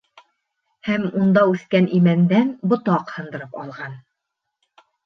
Һәм унда үҫкән Имәндән ботаҡ һындырып алған.